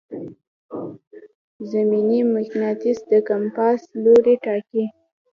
زمیني مقناطیس د کمپاس لوری ټاکي.